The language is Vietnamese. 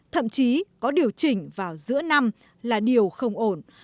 thậm chí có điều chỉnh vào giữa năm là điều không ổn